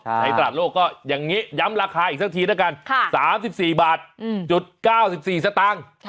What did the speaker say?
ในตลาดโลกก็อย่างนี้ย้ำราคาอีกสักทีแล้วกัน๓๔บาท๙๔สตางค์